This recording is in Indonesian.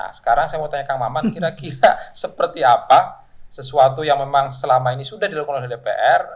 nah sekarang saya mau tanya kang maman kira kira seperti apa sesuatu yang memang selama ini sudah dilakukan oleh dpr